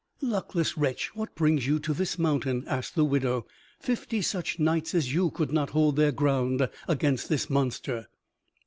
Luckless wretch, what brings you to this mountain?" asked the widow. "Fifty such knights as you could not hold their ground against the monster."